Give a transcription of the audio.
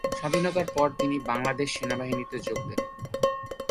স্বাধীনতার পর তিনি বাংলাদেশ সেনাবাহিনীতে যোগ দেন।